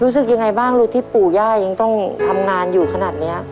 รู้สึกยังไงบ้างลูกที่ปู่ย่ายังต้องทำงานอยู่ขนาดนี้